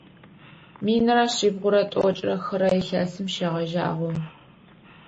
Минрэ шъибгъурэ тӏокӏрэ хырэ илъэсым шегъэжьагъэу.